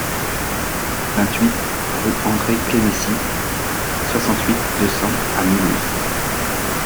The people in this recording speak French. vingt-huit rue André Clemessy, soixante-huit, deux cents à Mulhouse